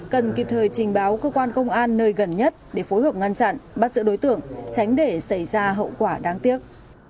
cần kịp thời trình báo cơ quan công an nơi gần nhất để phối hợp ngăn chặn bắt giữ đối tượng tránh để xảy ra hậu quả đáng tiếc